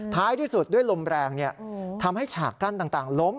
ท้ายที่สุดด้วยลมแรงทำให้ฉากกั้นต่างล้ม